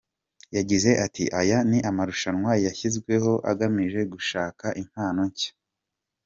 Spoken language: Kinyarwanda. Yagize ati “Aya ni amarushanwa yashyizweho agamije gushaka impano nshya.